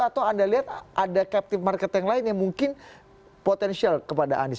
atau anda lihat ada captive market yang lain yang mungkin potensial kepada anies